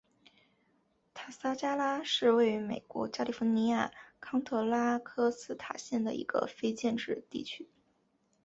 塔萨加拉是位于美国加利福尼亚州康特拉科斯塔县的一个非建制地区。